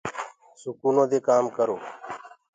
سُکونو دي ڪآم ڪرو۔